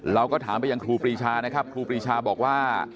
เราก็ถามไปยังครูปรีชานะครับครูปรีชาบอกว่า